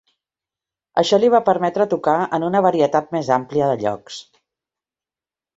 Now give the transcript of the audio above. Això li va permetre tocar en una varietat més àmplia de llocs.